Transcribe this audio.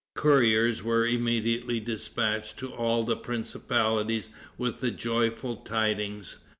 Couriers were immediately dispatched to all the principalities with the joyful tidings.